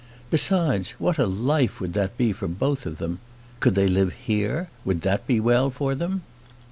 Besides, what a life would that be for both of them! Could they live here? Would that be well for them?"